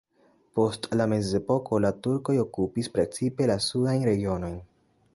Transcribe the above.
Post la mezepoko la turkoj okupis precipe la sudajn regionojn.